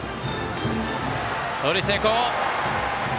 盗塁成功。